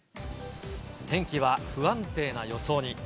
天気は不安定な予想に。